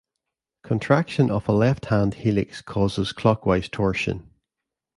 Contraction of a left-hand helix causes clockwise torsion.